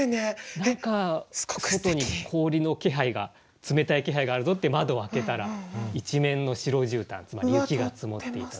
何か外に氷の気配が冷たい気配があるぞって窓を開けたら一面の白い絨毯つまり雪が積もっていたと。